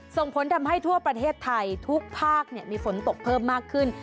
ส่งผลทำให้ทั่วประเทศไทยทุกภาคมีฝนตกเพิ่มมากขึ้น